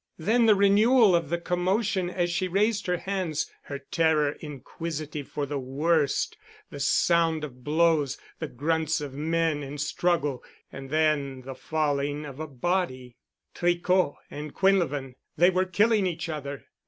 Then the renewal of the commotion, as she raised her hands, her terror inquisitive for the worst—the sound of blows, the grunts of men in struggle, and then the falling of a body. Tricot and Quinlevin—they were killing each other....